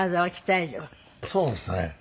そうですね。